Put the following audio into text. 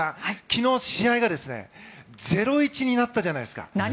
昨日、試合が０−１になったじゃないですか。